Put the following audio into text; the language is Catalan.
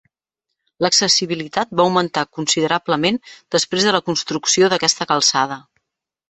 L'accessibilitat va augmentar considerablement després de la construcció d'aquesta calçada.